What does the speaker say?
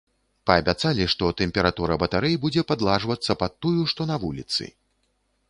Паабяцалі, што тэмпература батарэй будзе падладжвацца пад тую, што на вуліцы.